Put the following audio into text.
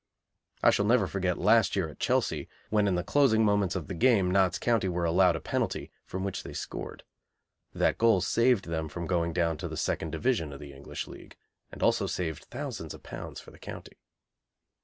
I shall never forget last year at Chelsea, when in the closing moments of the game Notts County were allowed a penalty, from which they scored. That goal saved them from going down to the Second Division of the English League, and also saved thousands of pounds for the County.